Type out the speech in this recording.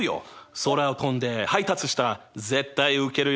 空を飛んで配達したら絶対ウケるよ！